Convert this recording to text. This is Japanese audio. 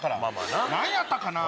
何やったかなぁ？